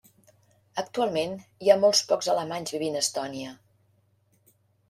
Actualment hi ha molt pocs alemanys vivint a Estònia.